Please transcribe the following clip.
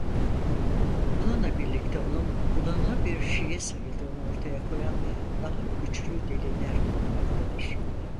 Bununla birlikte onun ılımlı bir Şii sayıldığını ortaya koyan daha güçlü deliller bulunmaktadır.